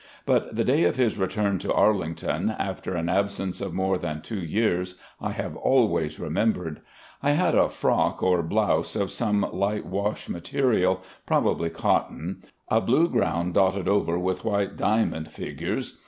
But the day of his return to Arlington, after an absence of more than two years, I have always remembered. I had a frock or blouse of some light wash material, probably cotton, a blue ground dotted over with white diamond figures.